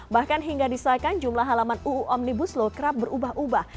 bahkan hingga disahkan jumlah halaman uu omnibus law kerap berubah ubah